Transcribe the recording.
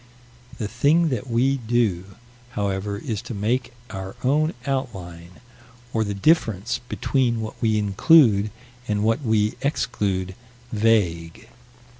The thing that we do, however, is to make our own outline, or the difference between what we include and what we exclude, vague.